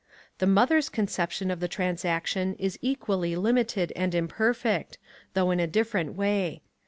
The mother's conception of the transaction is equally limited and imperfect, though in a different way.